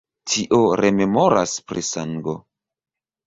Tio rememoras pri sango.